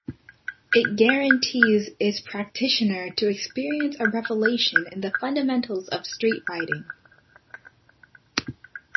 It guarantees its practitioner to experience a revelation in the fundamentals of street fighting.